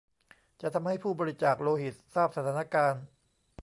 จะทำให้ผู้บริจาคโลหิตทราบสถานการณ์